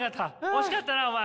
惜しかったなお前。